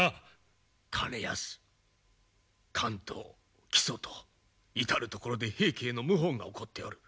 兼康関東木曽と至る所で平家への謀反が起こっておる。